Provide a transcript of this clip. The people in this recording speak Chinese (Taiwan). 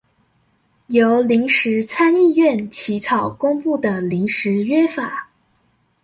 由臨時參議院起草公布的臨時約法